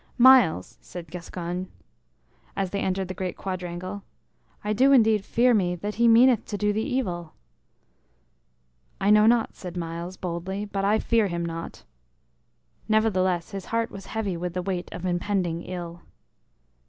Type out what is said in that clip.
"Myles," said Gascoyne, as they entered the great quadrangle, "I do indeed fear me that he meaneth to do thee evil." "I know not," said Myles, boldly; "but I fear him not." Nevertheless his heart was heavy with the weight of impending ill.